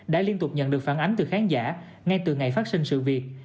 đã liên tục nhận được phản ánh từ khán giả ngay từ ngày phát sinh sự việc